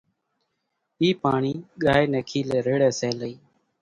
اِي پاڻي ڳائي ني کيلي ريڙي سي لئي۔